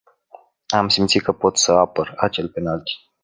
Am simțit că pot să apăr acel penalty.